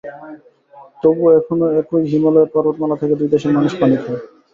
তবু এখনো একই হিমালয় পর্বতমালা থেকে দুই দেশের মানুষ পানি পায়।